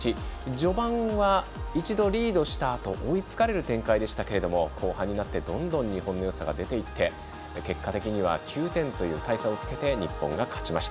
序盤は一度リードしたあと追いつかれる展開でしたけれども後半になって、どんどん日本のよさが出ていって結果的には９点という大差をつけて日本が勝ちました。